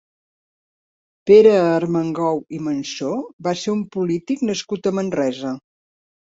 Pere Armengou i Mansó va ser un polític nascut a Manresa.